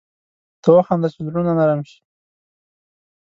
ته وخانده چي زړونه نرم شي